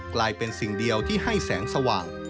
กลายเป็นสิ่งเดียวที่ให้แสงสว่าง